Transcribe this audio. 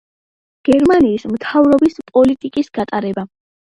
გერმანიის მთავრობის პოლიტიკის გატარება.